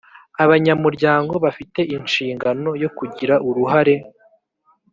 Abanyamuryango bafite inshingano yo kugira uruhare